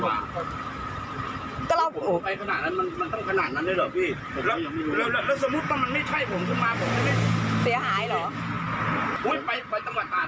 ไม่จะคุยคุยคุณภฤษณตรวรรดิเลย